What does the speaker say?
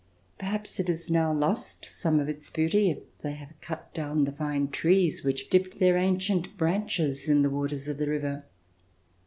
Perhaps it has now lost some of its beauty, if they have cut down the fine trees which dipped their ancient branches in the waters of the river.